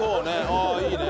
ああいいね。